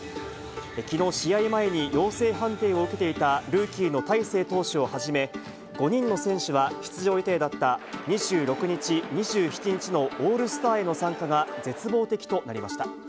きのう、試合前に陽性判定を受けていたルーキーの大勢投手をはじめ、５人の選手は出場予定だった２６日、２７日のオールスターへの参加が絶望的となりました。